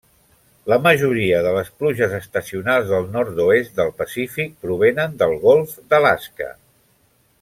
La majoria de les pluges estacionals del Nord-oest del Pacífic provenen del golf d'Alaska.